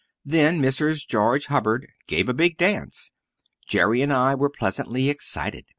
Then Mrs. George Hubbard gave a big dance. Jerry and I were pleasantly excited.